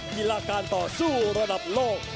กีฬาการต่อสู้ระดับโลก